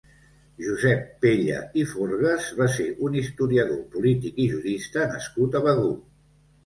Josep Pella i Forgas va ser un historiador, polític i jurista nascut a Begur.